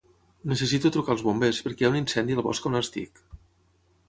Necessito trucar als bombers perquè hi ha un incendi al bosc on estic.